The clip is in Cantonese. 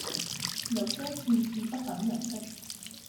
有些事是不等人的